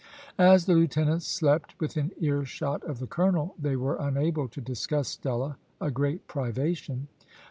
As the lieutenants slept within earshot of the colonel they were unable to discuss Stella a great privation.